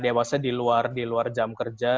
diawasnya di luar di luar jam kerja